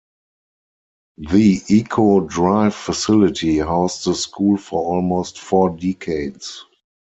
The Echo Drive facility housed the school for almost four decades.